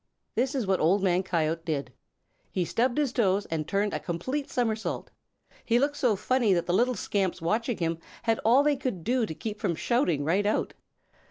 This is what Old Man Coyote did. He stubbed his toes and turned a complete somersault. He looked so funny that the little scamps watching him had all they could do to keep from shouting right out.